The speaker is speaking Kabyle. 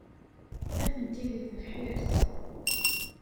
Atenti deg tebḥirt.